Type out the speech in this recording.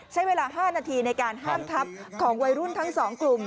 ใช้เวลา๕นาทีในการห้ามทับของวัยรุ่นทั้ง๒กลุ่ม